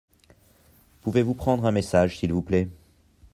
Pouvez-vous prendre un message s’il vous plait ?